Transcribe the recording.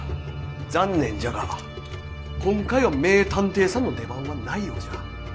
残念じゃが今回は名探偵さんの出番はないようじゃ。